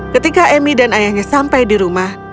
ketika emy dan ayahnya sampai di rumah